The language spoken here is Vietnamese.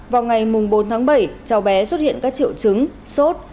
vào ngày bốn tháng bảy cháu bé xuất hiện các triệu chứng sốt